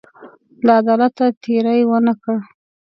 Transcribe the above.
له عدالته تېری ونه کړ.